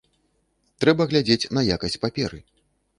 Трэба глядзець на якасць паперы.